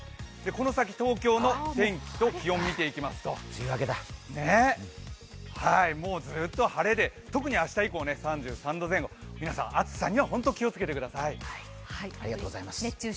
この先、東京の天気と気温を見ていきますと、ずっと晴れで、特に明日以降３３度前後皆さん、暑さにはホント気をつけてください。